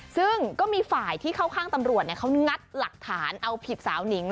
ซึ่งก็มีฝ่ายที่เข้าข้างตำรวจเขางัดหลักฐานเอาผิดสาวหนิง